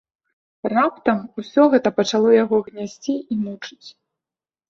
Раптам усё гэта пачало яго гнясці і мучыць.